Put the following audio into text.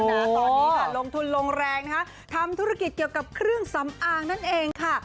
นะตอนนี้ค่ะลงทุนลงแรงนะคะทำธุรกิจเกี่ยวกับเครื่องสำอางนั่นเองค่ะ